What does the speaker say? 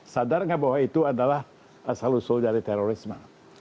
sadar nggak bahwa itu adalah asal usul dari terorisme